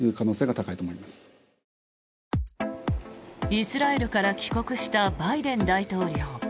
イスラエルから帰国したバイデン大統領。